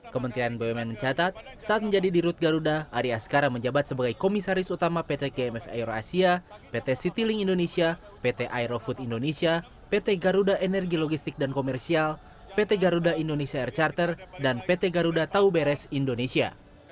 kementerian bumn mencatat saat menjadi dirut garuda arya askara menjabat sebagai komisaris utama pt gmf aero asia pt citylink indonesia pt aerofood indonesia pt garuda energi logistik dan komersial pt garuda indonesia air charter dan pt garuda tauberes indonesia